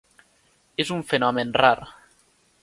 És un fenomen rar.